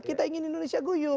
kita ingin indonesia guyup